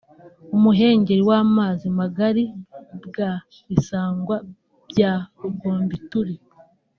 “Umuhengeli w’amazi magari ‘bwa Bisangwa bya Rugombituri